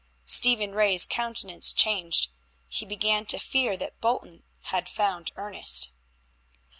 Stephen Ray's countenance changed. He began to fear that Bolton had found Ernest.